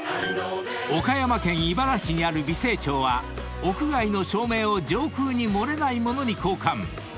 ［岡山県井原市にある美星町は屋外の照明を上空に漏れない物に交換］